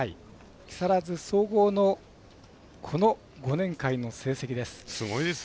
木更津総合のこの５年間の成績です。